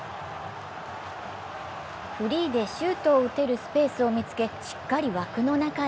フリーでシュートを打てるスペースを見つけ、しっかり枠の中へ。